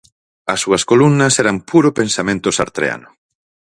As súas columnas eran puro pensamento sartreano.